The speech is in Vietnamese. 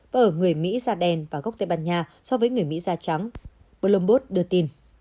và ở người mỹ da đen và gốc tây ban nha so với người mỹ da trắng bloomberg đưa tin